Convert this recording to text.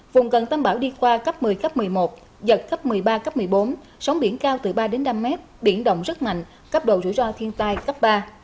vùng gần tâm bão đi qua cấp một mươi cấp một mươi một giật cấp một mươi ba cấp một mươi bốn sóng biển cao từ ba đến năm mét biển động rất mạnh cấp độ rủi ro thiên tai cấp ba